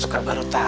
suka baru tahu